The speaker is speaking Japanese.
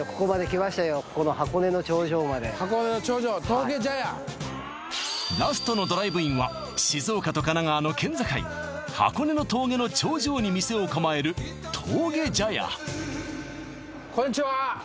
箱根の頂上峠茶屋ラストのドライブインは静岡と神奈川の県境箱根の峠の頂上に店を構える峠茶屋こんにちは